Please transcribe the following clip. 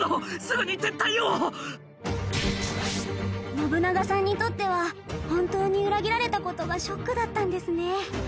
信長さんにとっては本当に裏切られた事がショックだったんですね。